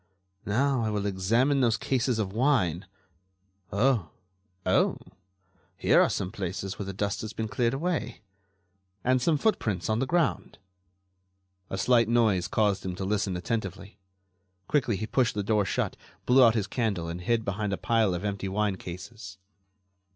Now, I will examine those cases of wine... oh! oh! here are some places where the dust has been cleared away ... and some footprints on the ground...." A slight noise caused him to listen attentively. Quickly he pushed the door shut, blew out his candle and hid behind a pile of empty wine cases.